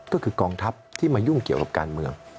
ก็คือกองทัพที่มายุ่งเกี่ยวกับการเมือง